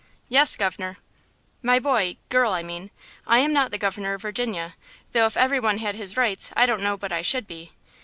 "Yes, governor." "My boy–girl, I mean–I am not the governor of Virginia, though if every one had his rights I don't know but I should be.